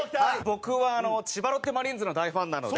僕は千葉ロッテマリーンズの大ファンなので。